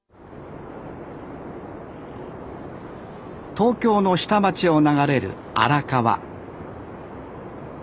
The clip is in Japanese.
東京の下町を流れる荒川